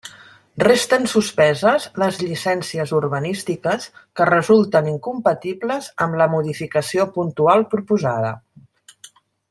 Resten suspeses les llicències urbanístiques que resulten incompatibles amb la modificació puntual proposada.